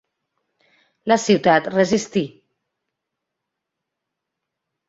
La ciutat resistí.